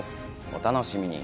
お楽しみに！